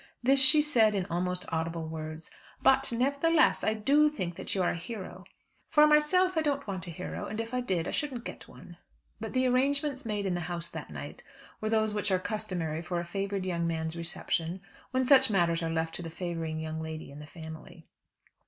This she said in almost audible words. "But nevertheless, I do think that you are a hero. For myself, I don't want a hero and if I did, I shouldn't get one." But the arrangements made in the house that night were those which are customary for a favoured young man's reception when such matters are left to the favouring young lady in the family.